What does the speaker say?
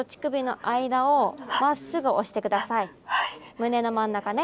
胸の真ん中ね。